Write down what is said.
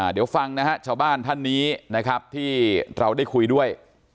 เดี๋ยวฟังนะฮะชาวบ้านท่านนี้นะครับที่เราได้คุยด้วย